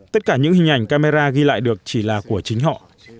tất cả những hình ảnh camera ghi lại được chỉ là của chính họ